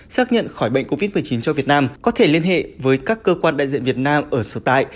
xác nhận khỏi bệnh covid một mươi chín cho việt nam có thể liên hệ với các cơ quan đại diện việt nam ở sở tại